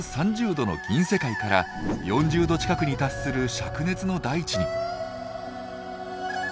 ℃の銀世界から４０℃近くに達する灼熱の大地に。